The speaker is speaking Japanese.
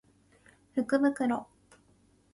福袋